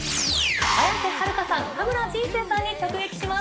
綾瀬はるかさん、羽村仁成さんに直撃します。